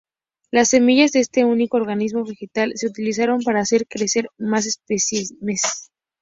Las semillas de este único organismo vegetal se utilizaron para hacer crecer más especímenes.